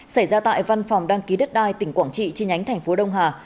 xảy ra tại văn phòng đăng ký đất đai tp quảng trị trên nhánh tp đông hà